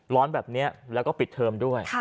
ร้อนแบบนี้แล้วก็ปิดเทอมด้วย